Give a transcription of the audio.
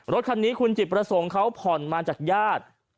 รถคันนี้คุณจิตประสงค์เขาผ่อนมาจากญาติ